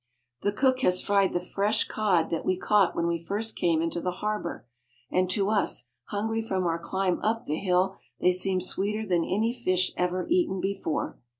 The cook has fried the fresh cod that we caught when we first came into the harbor, and to us, hungry from our climb up the bluff, they seem sweeter than any fish ever eaten before.